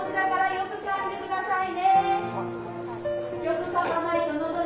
よくかんで下さい。